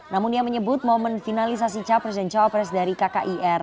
namun ia menyebut momen finalisasi capres dan cawapres dari kkir